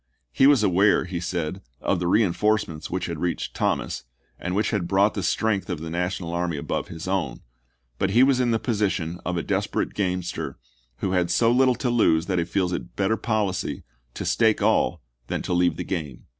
He was aware, he said, of the reinforcements which had reached Thomas, and which had brought the strength of the National army above his own, but he was in the position of a desperate gamester who has so little to lose that he feels it better policy to stake all than to leave the game.